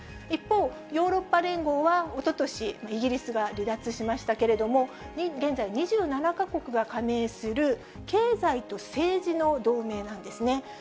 一方、ヨーロッパ連合は、おととし、イギリスが離脱しましたけれども、現在２７か国が加盟する経済と政治の同盟なんですね。